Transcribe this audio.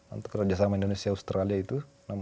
untuk kerjasama indonesia australia itu